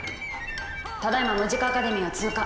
ただいまムジカ・アカデミーを通過。